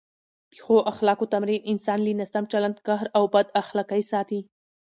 د ښو اخلاقو تمرین انسان له ناسم چلند، قهر او بد اخلاقۍ ساتي.